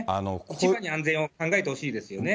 一番に安全を考えてほしいですよね。